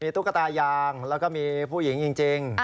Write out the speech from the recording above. ตุ๊กตายางแล้วก็มีผู้หญิงจริง